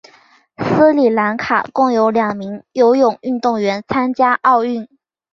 斯里兰卡共有两名游泳运动员参加奥运。